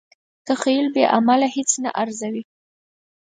تخیل بې عمله هیڅ نه ارزوي.